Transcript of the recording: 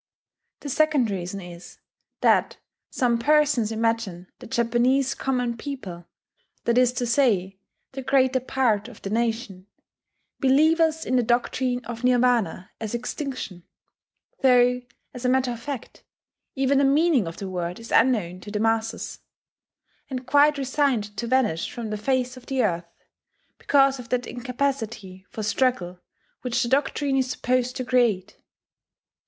The second reason is that some persons imagine the Japanese common people that is to say, the greater part of the nation believers in the doctrine of Nirvana as extinction (though, as a matter of fact, even the meaning of the word is unknown to the masses), and quite resigned to vanish from the face of the earth, because of that incapacity for struggle which the doctrine is supposed to create.